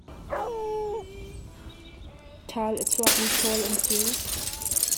Ṭhal a chuak i chawl an ṭil.